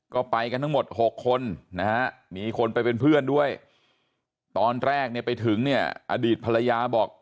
ก็ไปกันทั้งหมด๖คนนะฮะมีคนไปเป็นเพื่อนด้วยตอนแรกเนี่ยไปถึงเนี่ยอดีตภรรยาบอก